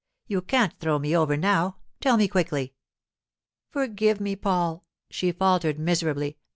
You can't throw me over now. Tell me quickly!' 'Forgive me, Paul,' she faltered miserably.